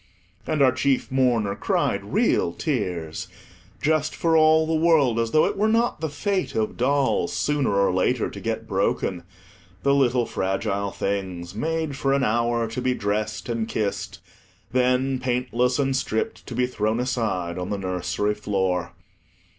And our chief mourner cried real tears, just for all the world as though it were not the fate of dolls, sooner or later, to get broken—the little fragile things, made for an hour, to be dressed and kissed; then, paintless and stript, to be thrown aside on the nursery floor.